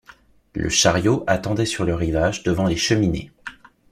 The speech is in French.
Le chariot attendait sur le rivage, devant les Cheminées